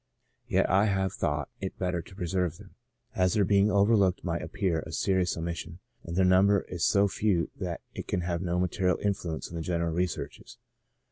Yet I have thought it better to preserve them, as their being overlooked might appear a serious omission, and their number is so few that it can have no material influence on the general researches.